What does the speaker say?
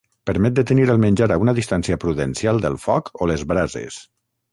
Permet de tenir el menjar a una distància prudencial del foc o les brases.